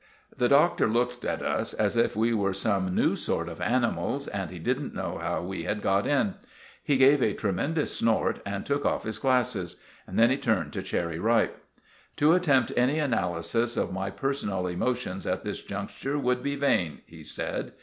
The Doctor looked at us as if we were some new sort of animals, and he didn't know how we had got in. He gave a tremendous snort, and took off his glasses. Then he turned to Cherry Ripe. "To attempt any analysis of my personal emotions at this juncture would be vain," he said.